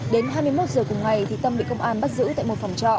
đến hai mươi một giờ cùng ngày thì tâm bị công an bắt giữ tại một phòng trọ